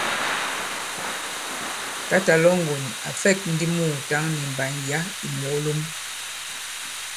Tǎtà Lɔ̌ŋgon à fɛ̂k ndi mùùtǎŋ nì mbàn yǎ ì mòòlom.